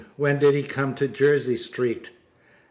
When did he come to Jersey Street?